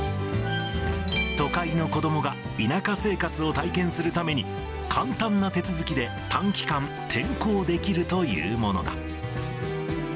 都会の子どもが田舎生活を体験するために、簡単な手続きで、短期間転校できるというものだ。